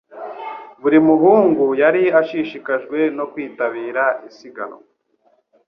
Buri muhungu yari ashishikajwe no kwitabira isiganwa.